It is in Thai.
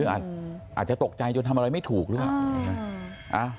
อาจจะตกใจจนทำอะไรไม่ถูกหรือเปล่า